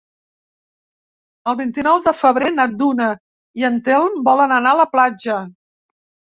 El vint-i-nou de febrer na Duna i en Telm volen anar a la platja.